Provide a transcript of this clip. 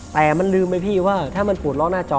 แต่มันลืมไหมพี่ว่าถ้ามันปวดล็อกหน้าจอ